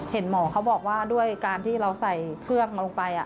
เห็นหมอเขาบอกว่าด้วยการที่เราใส่เครื่องลงไป